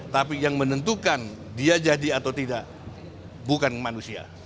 tapi yang menentukan dia jadi atau tidak bukan manusia